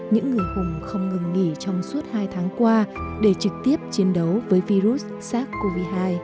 những người hùng không ngừng nghỉ trong suốt hai tháng qua để trực tiếp chiến đấu với virus sars cov hai